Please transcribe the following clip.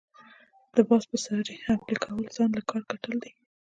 د باز په څاړي حمله كول ځان له کار کتل دي۔